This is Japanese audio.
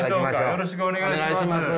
よろしくお願いします。